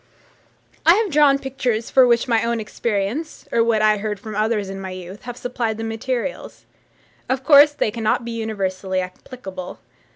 I have drawn pictures for which my own experience, or what I heard from others in my youth, have supplied the materials. Of course, they cannot be universally applicable.